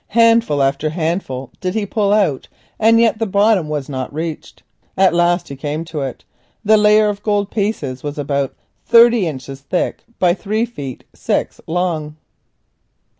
Handful after handful did he pull out, and yet the bottom was not reached. At last he came to it. The layer of gold pieces was about twenty inches broad by three feet six long.